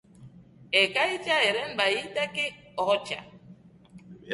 Ekaitzak ere baliteke jotzea.